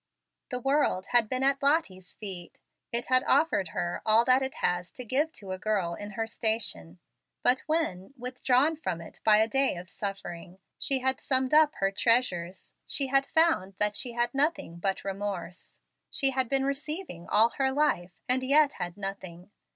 The world had been at Lottie's feet. It had offered her all that it has to give to a girl in her station; but when, withdrawn from it by a day of suffering, she had summed up her treasures, she had found that she had nothing but remorse. She had been receiving all her life, and yet had nothing.